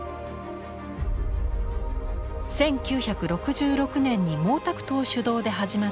１９６６年に毛沢東主導で始まった文化大革命。